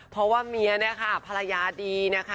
เพราะว่าเมียเนี่ยค่ะภรรยาดีนะคะ